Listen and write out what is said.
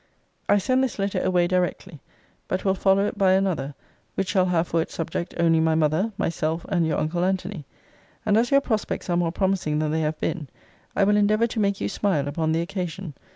I send this letter away directly. But will follow it by another; which shall have for its subject only my mother, myself, and your uncle Antony. And as your prospects are more promising than they have been, I will endeavour to make you smile upon the occasion.